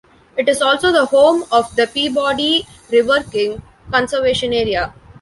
It is also the home of the Peabody River King Conservation Area.